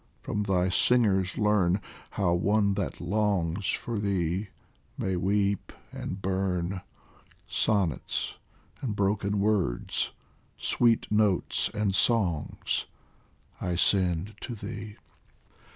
From thy singers learn How one that longs for thee may weep and burn ; Sonnets and broken words, sweet notes and songs I send to thee.